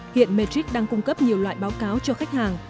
hiện matrix đang cung cấp nhiều loại báo cáo cho khách hàng